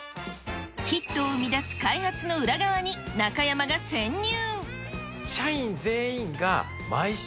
ヒットを生み出す開発の裏側に中山が潜入。